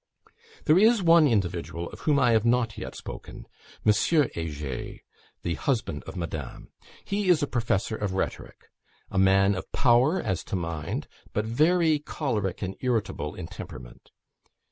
There is one individual of whom I have not yet spoken M. Heger, the husband of Madame. He is professor of rhetoric, a man of power as to mind, but very choleric and irritable in temperament.